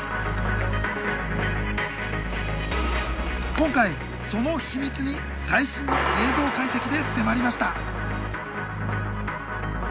今回その秘密に最新の映像解析で迫りました。